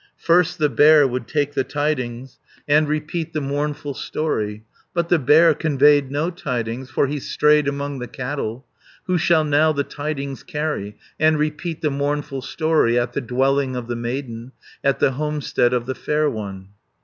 First the bear would take the tidings, And repeat the mournful story; But the bear conveyed no tidings, For he strayed among the cattle. 380 Who shall now the tidings carry, And repeat the mournful story. At the dwelling of the maiden. At the homestead of the fair one?